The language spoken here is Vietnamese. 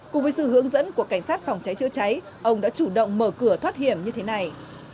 cùng với sự hướng dẫn của cảnh sát phòng cháy chữa cháy ông đã chủ động mở cửa thoát hiểm như thế này